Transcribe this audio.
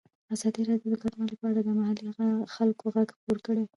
ازادي راډیو د کډوال په اړه د محلي خلکو غږ خپور کړی.